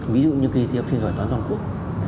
ví dụ như kỳ thi học truyền giỏi toàn toàn quốc